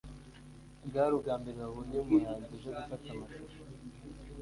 bwari ubwa mbere babonye umuhanzi uje gufata amashusho